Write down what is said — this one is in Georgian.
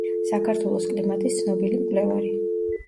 საქართველოს კლიმატის ცნობილი მკვლევარი.